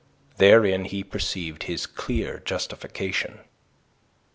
Therein he perceived his clear justification.